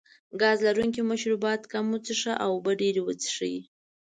ګاز لرونکي مشروبات کم وڅښه او اوبه ډېرې وڅښئ.